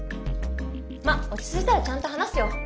まっ落ち着いたらちゃんと話すよ。